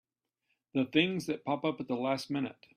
The things that pop up at the last minute!